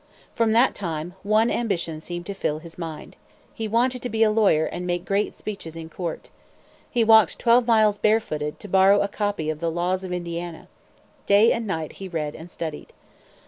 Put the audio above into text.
From that time, one ambition seemed to fill his mind. He wanted to be a lawyer and make great speeches in court. He walked twelve miles barefooted, to borrow a copy of the laws of Indiana. Day and night he read and studied.